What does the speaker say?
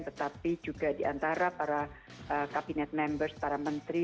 tetapi juga diantara para kabinet members para menteri